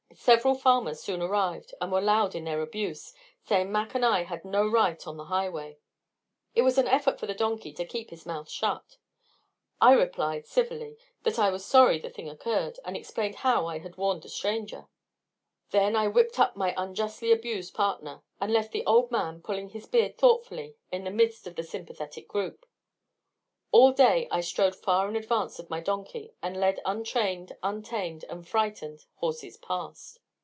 Several farmers soon arrived and were loud in their abuse, saying Mac and I had no right on the highway. It was an effort for the donkey to keep his mouth shut. I replied, civilly, that I was sorry the thing occurred, and explained how I had warned the stranger. Then I whipped up my unjustly abused partner, and left the old man pulling his beard thoughtfully in the midst of the sympathetic group. All day I strode far in advance of my donkey and led untrained, untamed, and frightened horses past.